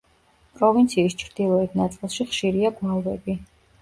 პროვინციის ჩრდილოეთ ნაწილში ხშირია გვალვები.